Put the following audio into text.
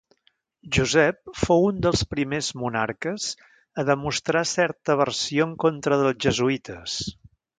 Josep fou un dels primers monarques a demostrar certa aversió en contra dels jesuïtes.